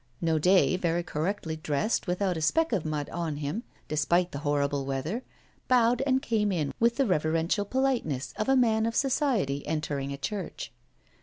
Naudet, very correctly dressed, without a speck of mud on him, despite the horrible weather, bowed and came in with the reverential politeness of a man of society entering a church.